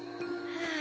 はあ。